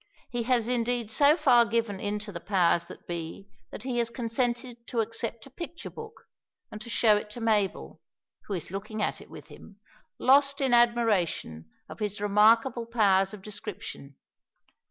He has indeed so far given in to the powers that be that he has consented to accept a picture book, and to show it to Mabel, who is looking at it with him, lost in admiration of his remarkable powers of description.